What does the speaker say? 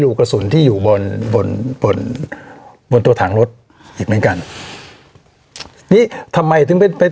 กระสุนที่อยู่บนบนบนบนตัวถังรถอีกเหมือนกันนี่ทำไมถึงเป็นเป็น